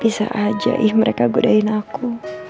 bisa aja ih mereka godain aku